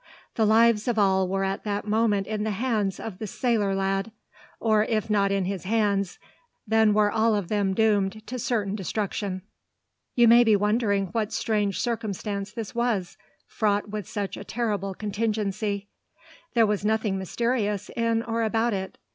The lives of all were at that moment in the hands of the sailor lad, or if not in his hands, then were all of them doomed to certain destruction. You may be wondering what strange circumstance this was, fraught with such a terrible contingency. There was nothing mysterious in or about it.